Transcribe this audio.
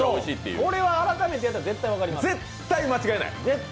これは改めてやったら絶対分かります、絶対間違えない。